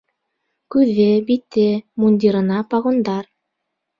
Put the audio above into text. Күҙе, бите, мундирында погондар.